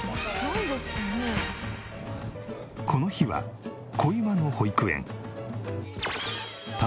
この日は小岩の保育園。